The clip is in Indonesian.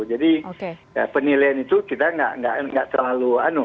jadi ya penilaian itu kita nggak selalu anu